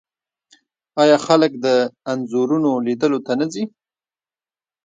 آیا خلک د انځورونو لیدلو ته نه ځي؟